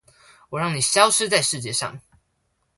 我讓你消失在世界上